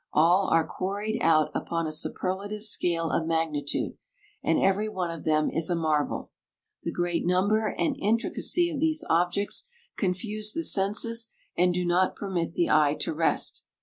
All are quarried out upon a superlative scale of magnitude, and every one of them is a marvel. The great number and intricacy of these objects confuse the senses and do not permit the eye to rest.